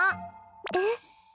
えっ？